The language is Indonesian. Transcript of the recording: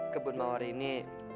kebun mawar ini